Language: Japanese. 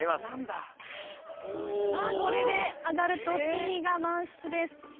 さあこれで上がるとＣが満室です。